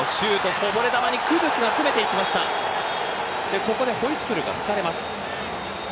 ここでホイッスルが吹かれます。